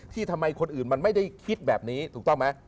ทำไมคนอื่นมันไม่ได้คิดแบบนี้ถูกต้องไหม